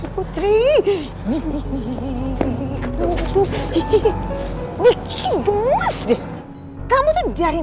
putri lu ke mos buzz fjang aja lah